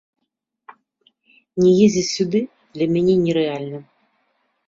Не ездзіць сюды для мяне нерэальна.